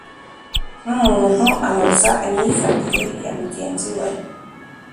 n’umuntu anoza imyifatire ya mugenzi we